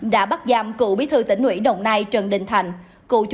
đã bắt giam cựu bí thư tỉnh ủy đồng nai trần đình thành